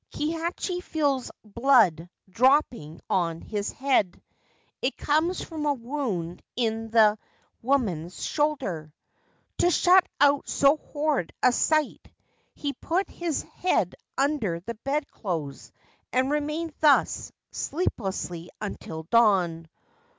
Kihachi feels blood dropping on his head ; it comes from a wound in the woman's shoulder. To shut out so horrid a sight, he put his head under the bed clothes and remained thus, sleep lessly, until dawn.